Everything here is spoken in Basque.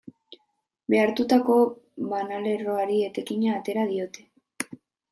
Behartutako banalerroari etekina atera diote.